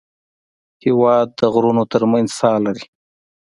هېواد د غرو تر منځ ساه لري.